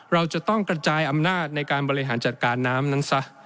เราจะต้องกระจายอำนาจในการบริหารจัดการน้ำนั้นซะ